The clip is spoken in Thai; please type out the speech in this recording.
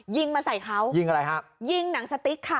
ยิงมาใส่เขายิงอะไรฮะยิงหนังสติ๊กค่ะ